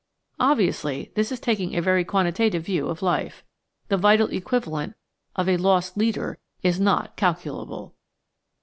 Obviously this is taking a very quantitative view of life. The vital equivalent of a lost leader is not calculable!